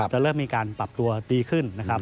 จะเริ่มมีการปรับตัวดีขึ้นนะครับ